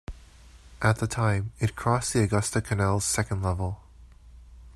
At the time, it crossed the Augusta Canal's second level.